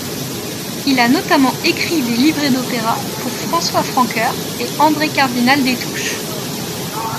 Il a notamment écrit des livrets d'opéras pour François Francœur et André-Cardinal Destouches.